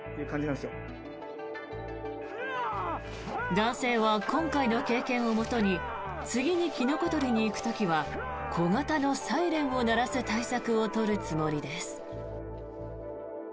男性は今回の経験をもとに次にキノコ採りに行く時は小型のサイレンを鳴らす対策を取るつもりです。